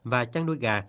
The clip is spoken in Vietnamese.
và chăn nuôi gà